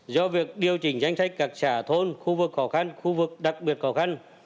do việc điều chỉnh danh sách các xã thôn khu vực khó khăn khu vực đặc biệt khó khăn